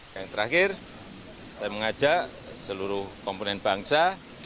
yang terakhir saya mengajak seluruh komponen bangsa